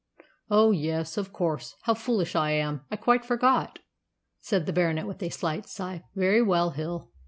"Oh, yes, of course. How foolish I am! I quite forgot," said the Baronet with a slight sigh. "Very well, Hill."